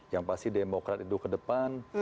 yang pasti demokrat itu ke depan